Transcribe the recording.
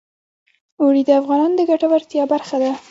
اوړي د افغانانو د ګټورتیا برخه ده.